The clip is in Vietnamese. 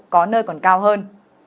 có nơi còn cao hơn